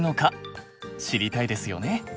知りたいですよね。